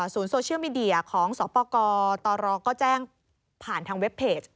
โซเชียลมีเดียของสปกตรก็แจ้งผ่านทางเว็บเพจ